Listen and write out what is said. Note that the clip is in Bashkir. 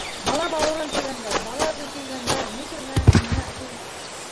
Бала - бауырын тигәндәр, бала өсөн көйгәндәр ни теләһә - миңә шул.